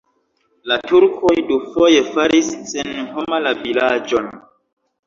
La turkoj dufoje faris senhoma la vilaĝon.